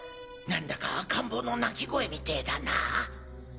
なんだか赤ん坊の泣き声みてだな。